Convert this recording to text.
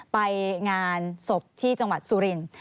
ไปงานศพที่จังหวัดสุรินทร์